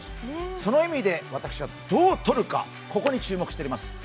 その意味で私はどう取るか、ここに注目しております。